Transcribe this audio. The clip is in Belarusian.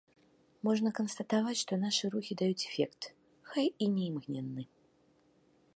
Можна канстатаваць, што нашы рухі даюць эфект, хай і не імгненны.